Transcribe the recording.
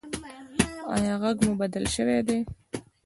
ایا غږ مو بدل شوی دی؟